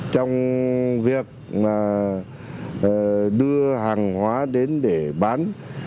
trong việc đưa hàng hóa đến để bán